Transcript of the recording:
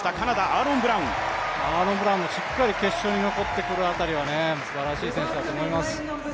アーロン・ブラウンもしっかり決勝に残ってくる辺りはすばらしい選手だと思います。